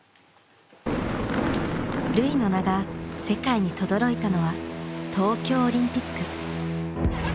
瑠唯の名が世界にとどろいたのは東京オリンピック。